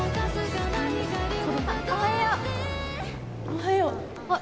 おはよう。